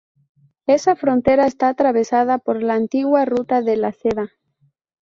Esta frontera está atravesada por la antigua ruta de la seda.